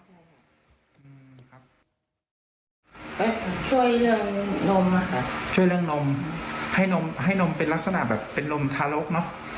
ช่วยเรื่องนมให้นมเป็นลักษณะแบบเป็นนมทารกเนอะ